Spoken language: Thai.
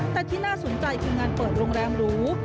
แต่ที่น่าสนใจคืองานเปิดโรงแรมหรู